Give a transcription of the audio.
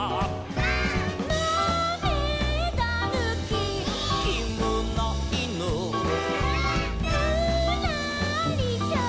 「まめだぬき」「」「きむないぬ」「」「ぬらりひょん」